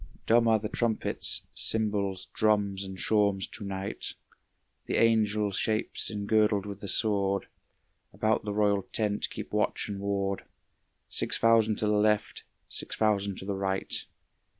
Dumb are the trumpets, cymbals, drums and shawms to night, The angel shapes engirdled with the sword, About the royal tent keep watch and ward, Six thousand to the left, six thousand to the right.